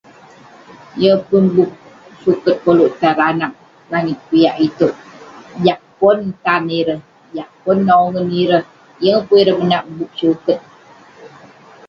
Yeng pun bup suket yah koluk tan ireh anag dalem langit piak itouk, jah pon tan ireh..jah pon nongen ireh..Yeng pun ireh menat bup suket.